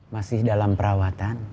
masih dalam perawatan